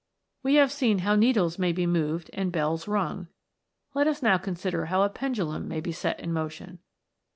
We have seen how needles may be moved and bells rung; let us now consider how a pendulum may be set in motion.